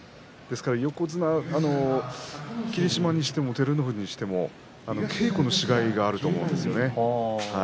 ですから霧島にしても照ノ富士にしても稽古の違いがあると思うんですね。